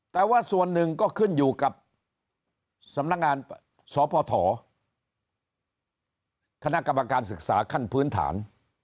แต่ว่าส่วนหนึ่งก็ขึ้นอยู่กับสำนักงานสพคณะกรรมการศึกษาขั้นพื้นฐาน